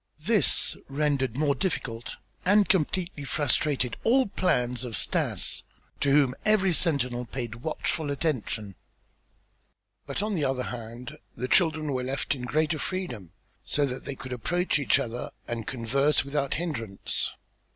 This rendered more difficult and completely frustrated all plans of Stas to whom every sentinel paid watchful attention. But on the other hand the children were left in greater freedom so that they could approach each other and converse without hindrance.